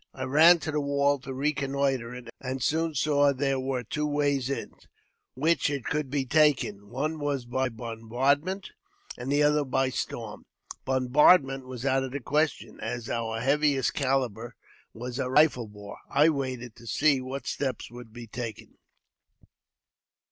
I ran to the wall to reconnoitre it, and soon saw there were two ways in JAMES P. BECKWOUBTH. 167 which it could be taken ; one was by bombardment, and the other was by storm. Bombardment was out of the question, as our heaviest calibre was a rifle bore. I waited to see what steps would be taken.